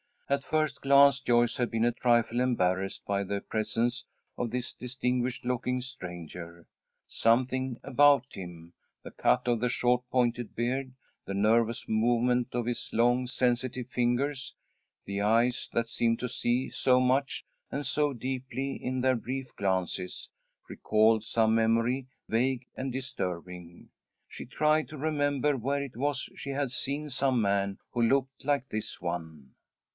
At first glance Joyce had been a trifle embarrassed by the presence of this distinguished looking stranger. Something about him the cut of the short, pointed beard, the nervous movement of his long, sensitive fingers, the eyes that seemed to see so much and so deeply in their brief glances, recalled some memory, vague and disturbing. She tried to remember where it was she had seen some man who looked like this one.